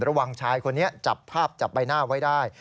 ระหว่างชายคนนี้จับภาพจับใบหน้าไว้ได้